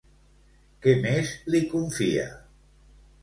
Què més li confia?